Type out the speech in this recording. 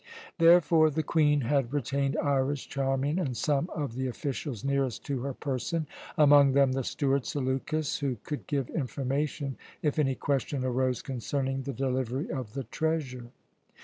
Therefore the Queen had retained Iras, Charmian, and some of the officials nearest to her person, among them the steward Seleukus, who could give information if any question arose concerning the delivery of the treasure.